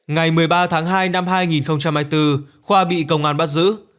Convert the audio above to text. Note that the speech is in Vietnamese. ngày một mươi ba tháng hai năm hai nghìn hai mươi bốn khoa bị công an bắt giữ